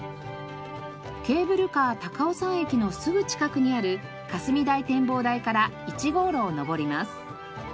ケーブルカー高尾山駅のすぐ近くにある霞台展望台から１号路を登ります。